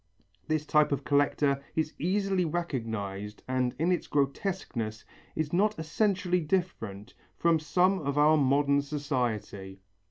This type of collector is easily recognized and in its grotesqueness is not essentially different from some of our modern society.